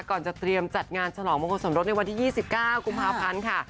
ก่อนจะเตรียมจัดงานฉลองมงคลสมรสในวันที่๒๙กุมภาพันธ์ค่ะ